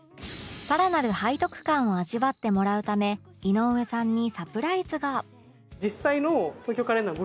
更なる背徳感を味わってもらうため井上さんにサプライズが